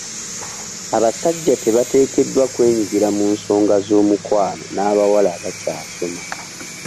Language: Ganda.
Abasajja tebateekeddwa kwenyigira mu nsonga z'omukwano n'abawala abakyasoma.